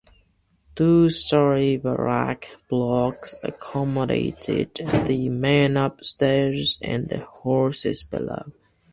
Two-storey barrack blocks accommodated the men upstairs and the horses below.